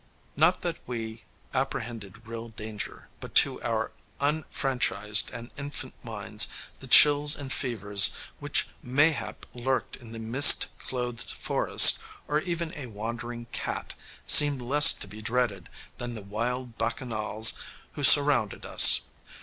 Not that we apprehended real danger, but to our unfranchised and infant minds the chills and fevers which mayhap lurked in the mist clothed forest, or even a wandering "cat," seemed less to be dreaded than the wild bacchanals who surrounded us.